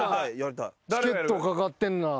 チケット懸かってんなら。